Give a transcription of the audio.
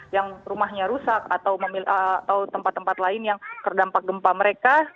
yang rumahnya rusak atau tempat tempat lain yang terdampak gempa mereka